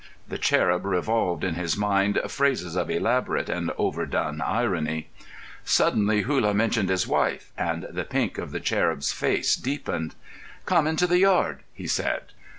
The cherub revolved in his mind phrases of elaborate and over done irony. Suddenly Hullah mentioned his wife, and the pink of the cherub's face deepened. "Come into the yard," he said.